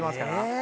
え！